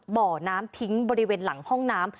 บ่อน้ำทิ้งบริเวณหลังห้องน้ำ